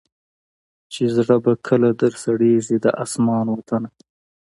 چي زړه به کله در سړیږی د اسمان وطنه